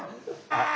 ああ。